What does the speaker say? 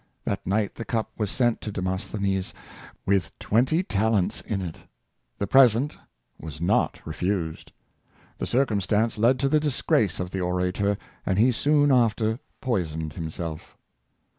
That night the cup was sent to Demosthenes, with twenty talents in it. The present was not refused. The circumstance led to the disgrace of the orator, and he soon after poisoned himself.